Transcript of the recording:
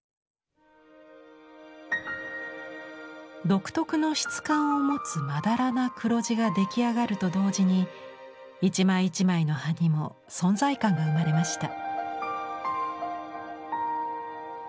独特の質感を持つまだらな黒地が出来上がると同時に一枚一枚の葉にも存在感が生まれました。